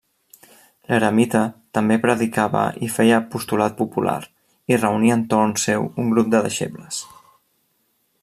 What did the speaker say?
L'eremita també predicava i feia apostolat popular, i reuní entorn seu un grup de deixebles.